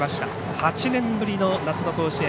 ８年ぶりの夏の甲子園。